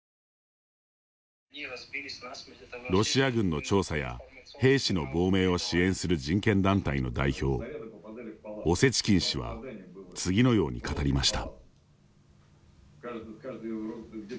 ロシア軍の調査や兵士の亡命を支援する人権団体の代表、オセチキン氏は次のように語りました。